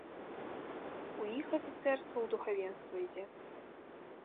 У іх афіцэрства ў духавенства ідзе.